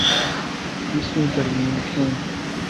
ائیسویں ترمیم کیوں؟